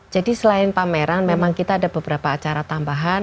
jadi selain pameran memang kita ada beberapa acara tambahan